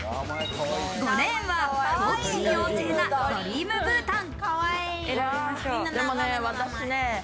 ５レーンは好奇心旺盛のドリームブータン。